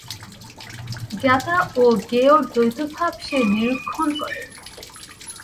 জ্ঞাতা ও জ্ঞেয়ের দ্বৈতভাব সে নিরীক্ষণ করে।